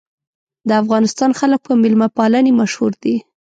د افغانستان خلک په میلمه پالنې مشهور دي.